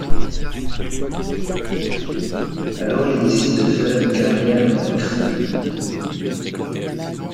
Alors, ils décident de faire une carrière dans le crime.